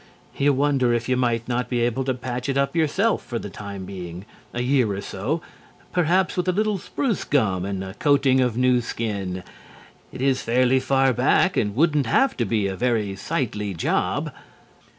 You wonder if you might not be able to patch it up yourself for the time being, a year or so perhaps with a little spruce gum and a coating of new skin. It is fairly far back, and wouldn't have to be a very sightly job.